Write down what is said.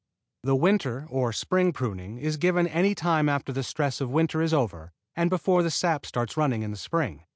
The winter or spring pruning is given any time after the stress of winter is over and before the sap starts running in the spring.